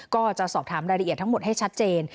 ก็จะสอบถามรายละเอียดทั้งหมดให้ชัดเจน